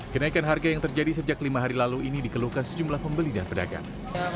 kenaikan harga yang terjadi sejak lima hari lalu ini dikeluhkan sejumlah pembeli dan pedagang